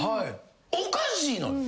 おかしいのよ。